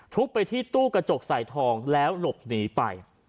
ไปที่ตู้กระจกใส่ทองแล้วหลบหนีไป